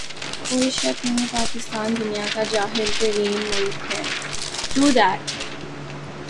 کوئی شک نہیں پاکستان دنیا کا جاھل ترین ملک ہے